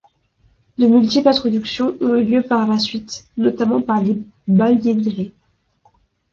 De multiples introductions ont eu lieu par la suite, notamment par les baleiniers.